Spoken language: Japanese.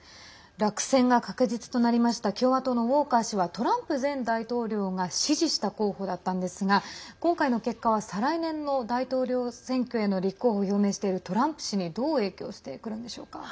落選が確実となりました共和党のウォーカー氏はトランプ前大統領が支持した候補だったんですが今回の結果は再来年の大統領選挙への立候補を表明しているトランプ氏にどう影響してくるんでしょうか。